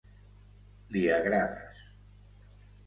Li agrades.